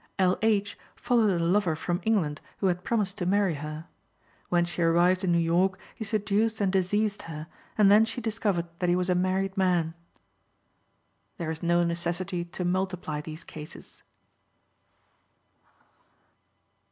L. H. followed a lover from England who had promised to marry her. When she arrived in New York he seduced and diseased her, and then she discovered that he was a married man. There is no necessity to multiply these cases.